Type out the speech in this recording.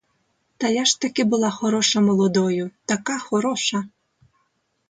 Та я ж таки була хороша молодою, така хороша!